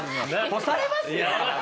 干されますよ。